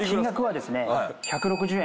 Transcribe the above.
１６０円？